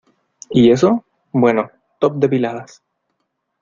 ¿ y eso? bueno, top depiladas.